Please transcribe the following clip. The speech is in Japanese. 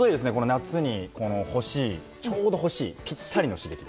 夏にちょうど欲しいぴったりの刺激です。